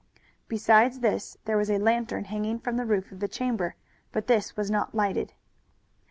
Besides this there was a lantern hanging from the roof of the chamber, but this was not lighted.